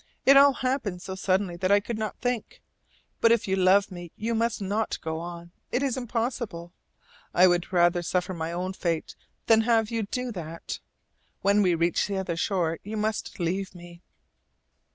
It all happened so suddenly that I could not think. But if you love me you must not go on. It is impossible. I would rather suffer my own fate than have you do that. When we reach the other shore you must leave me."